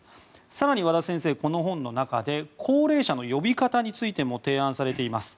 更に和田先生、この本の中で高齢者の呼び方についても提案されています。